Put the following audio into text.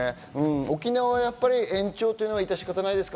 沖縄はやっぱり延長、いたし方ないですか？